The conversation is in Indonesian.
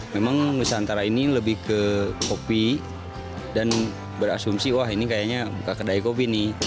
memang nusantara ini lebih ke kopi dan berasumsi wah ini kayaknya buka kedai kopi nih